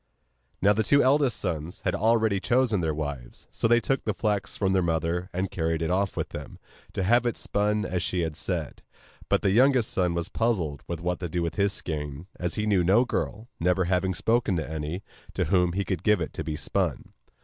Now the two eldest sons had already chosen their wives; so they took the flax from their mother, and carried it off with them, to have it spun as she had said. But the youngest son was puzzled what to do with his skein, as he knew no girl (never having spoken to any) to whom he could give it to be spun.